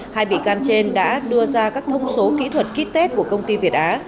hai vị can trên đã đưa ra các thông số kỹ thuật kích tết của công ty việt á